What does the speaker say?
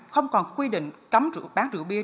không còn quy định cấm bán rượu bia